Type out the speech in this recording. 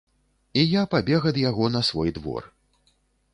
І я пабег ад яго на свой двор.